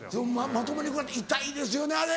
まともに痛いですよねあれ。